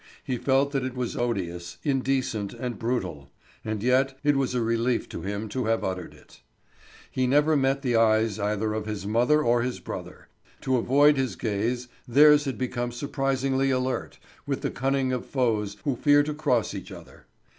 He felt that it was odious, indecent, and brutal, and yet it was a relief to him to have uttered it. He never met the eyes either of his mother or his brother; to avoid his gaze theirs had become surprisingly alert, with the cunning of foes who fear to cross each other.